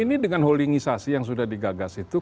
ini dengan holdingisasi yang sudah digagas itu